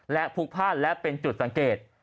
และพลุกพลาดและเป็นจุดสังเกต